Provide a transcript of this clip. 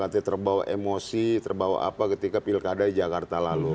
terbawa emosi terbawa apa ketika pilkada jakarta lalu